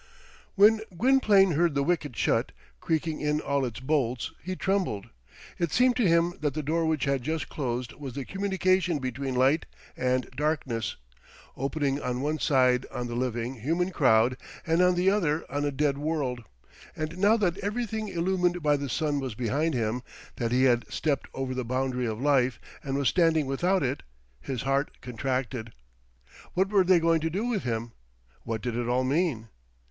When Gwynplaine heard the wicket shut, creaking in all its bolts, he trembled. It seemed to him that the door which had just closed was the communication between light and darkness opening on one side on the living, human crowd, and on the other on a dead world; and now that everything illumined by the sun was behind him, that he had stepped over the boundary of life and was standing without it, his heart contracted. What were they going to do with him? What did it all mean?